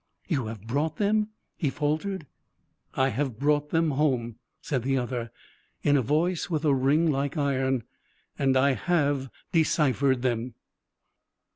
"You have brought them?" he faltered. "I have brought them home," said the other, in a voice with a ring like iron; "and I have deciphered them."